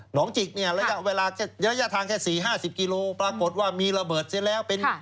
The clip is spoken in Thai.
หนองจิกเนี่ยระยะทางแค่๔๕๐กิโลปรากฏว่ามีระเบิดเสียแล้ว